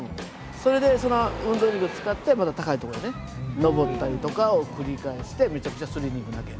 それでその運動エネルギーを使ってまた高いところへ上ったりとかを繰り返してめちゃくちゃスリリングな訳。